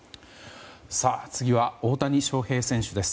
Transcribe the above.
次は大谷翔平選手です。